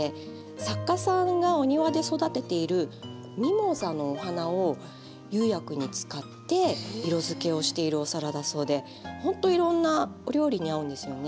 作家さんがお庭で育てているミモザの花を釉薬に使って色づけをしているお皿だそうでほんといろんなお料理に合うんですよね。